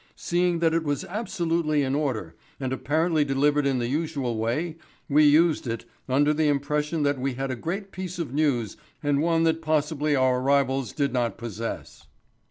Seeing that it was absolutely in order and apparently delivered in the usual way, we used it, under the impression that we had a great piece of news and one that possibly our rivals did not possess.